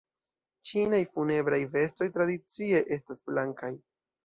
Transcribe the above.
Ĉinaj funebraj vestoj tradicie estas blankaj.